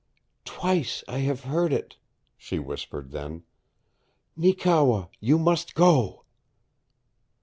"Twice I have heard it," she whispered then. "Neekewa, you must go!"